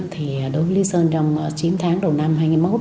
thì đối với lý sơn trong chín tháng đầu năm hai nghìn một mươi một